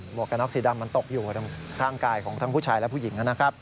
วกกระน็อกสีดำมันตกอยู่ข้างกายของทั้งผู้ชายและผู้หญิงนะครับ